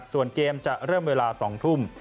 ส่วนเกมจะเริ่มเวลา๒ทุ่ม